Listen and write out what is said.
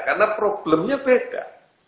karena problemnya beda